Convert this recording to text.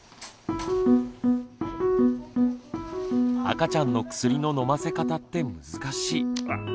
赤ちゃんの薬の飲ませ方って難しい。